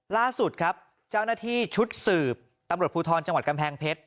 ล่าสุดครับเจ้าหน้าที่ชุดสืบตำรวจภูทรจังหวัดกำแพงเพชร